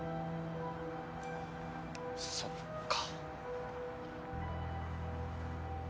そっか。